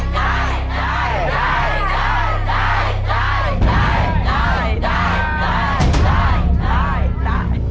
จัดข้อมูลด้วยเร็ว